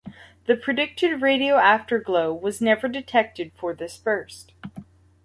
The predicted radio afterglow was never detected for this burst.